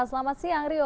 selamat siang rio